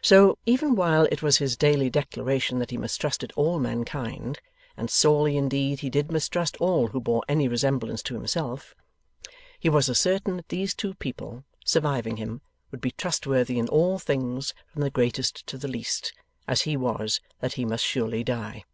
So, even while it was his daily declaration that he mistrusted all mankind and sorely indeed he did mistrust all who bore any resemblance to himself he was as certain that these two people, surviving him, would be trustworthy in all things from the greatest to the least, as he was that he must surely die.